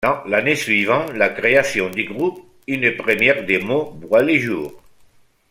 L'année suivant la création du groupe, une première démo voit le jour, '.